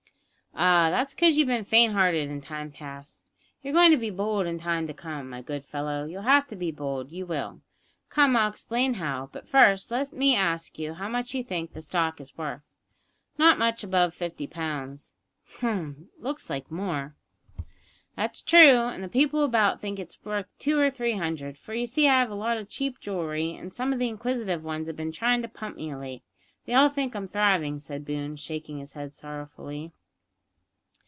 "Ah, that's 'cause you've bin faint hearted in time past; you're goin' to be bold in time to come, my good fellow; you'll have to be bold, you will. Come, I'll explain how. But first, let me ask how much you think the stock is worth." "Not much above fifty pounds." "Hum! it looks like more." "That's true, an' the people about think it's worth two or three hundred, for you see I have a lot o' cheap jewellery, and some of the inquisitive ones have been trying to pump me of late. They all think I'm thriving," said Boone, shaking his head sorrowfully.